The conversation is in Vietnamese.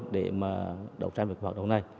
để mà đấu tranh với cái hoạt động này